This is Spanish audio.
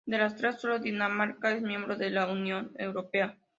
De las tres, solo Dinamarca es miembro de la Unión Europea.